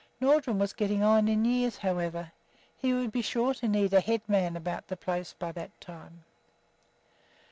Nordrum was getting on in years, however; he would be sure to need a head man about the place by that time.